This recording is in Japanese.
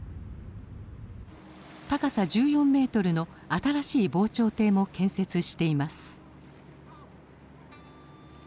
高さ１４メートルの新しい防潮堤も建設しています。